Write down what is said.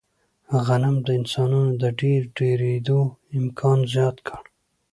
غنم د انسانانو د شمېر ډېرېدو امکان زیات کړ.